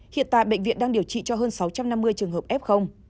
hiện tại bệnh viện đang điều trị cho hơn sáu trăm năm mươi trường hợp f